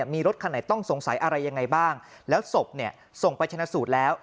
มีรถคันไหนต้องสงสัยอะไรยังไงบ้างแล้วศพเนี่ยส่งไปชนะสูตรแล้ว